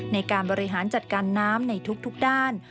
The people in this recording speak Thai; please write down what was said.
ในการบริหารจัดการน้ำในทุกด้าน